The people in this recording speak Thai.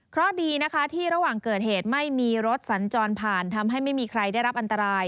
เพราะดีนะคะที่ระหว่างเกิดเหตุไม่มีรถสัญจรผ่านทำให้ไม่มีใครได้รับอันตราย